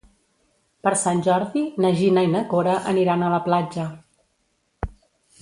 Per Sant Jordi na Gina i na Cora aniran a la platja.